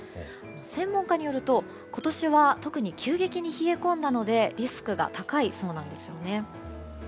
専門家によると今年は特に急激に冷え込んだのでリスクが高いそうなんですよね。